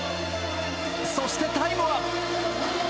そしてタイムは。